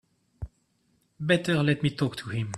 Better let me talk to him.